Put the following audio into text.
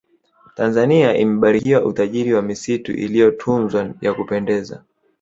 tanzania imebarikiwa utajiri wa misitu iliyotunzwa ya kupendeza